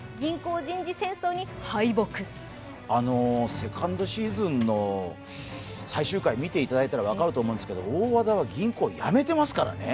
セカンドシーズンの最終回見ていただいたら分かると思うんですけれども、大和田は銀行辞めてますからね。